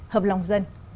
hợp lòng dân